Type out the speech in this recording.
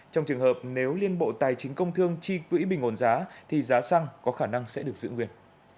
trong trường hợp nếu liên bộ tài chính công thương trì quỹ bình ổn giá thì giá xăng có khả năng sẽ được giữ nguyên